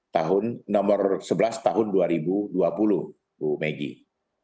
tahun nomor sebelas tahun dua ribu dua puluh bu megi